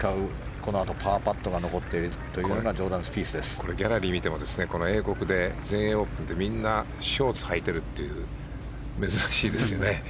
このあとパーパットが残っているという全英オープンでみんなショーツをはいているという珍しいですね。